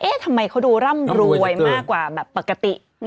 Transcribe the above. เอ๊ะทำไมเขาดูร่ำรวยมากกว่าปกติ